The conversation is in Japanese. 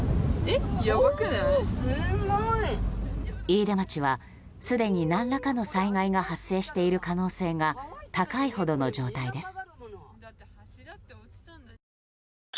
飯豊町はすでに何らかの災害が発生している可能性が高いほどの状態です。